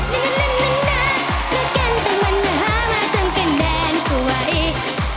เพราะกันต้องมันมาหามาทำแค่นั้นก็ไหว